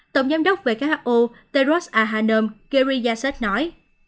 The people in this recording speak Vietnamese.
tổng giám đốc who teros ahanom geriaset nói